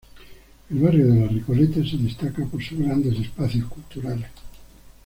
El barrio de la Recoleta se destaca por sus grandes espacios culturales.